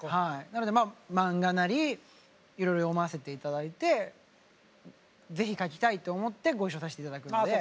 なので漫画なりいろいろ読ませて頂いて「是非書きたい」と思ってご一緒させて頂くので。